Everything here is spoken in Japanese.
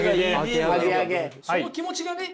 その気持ちがね